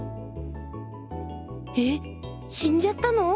えっ死んじゃったの？